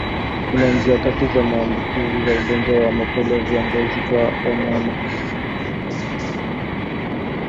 Kuna njia tatu za maambukizi ya ungojwa wa mapele ya ngozi kwa wanyama